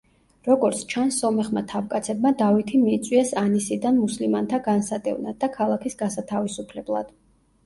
როგორც ჩანს, სომეხმა თავკაცებმა დავითი მიიწვიეს ანისიდან მუსლიმანთა განსადევნად და ქალაქის გასათავისუფლებლად.